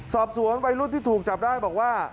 สอบสวนวัยรุ่นที่ถูกจับได้บอกว่า